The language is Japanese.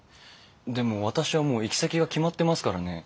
でも私はもう行き先が決まってますからね。